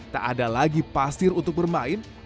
tak ada lagi pasir untuk bermain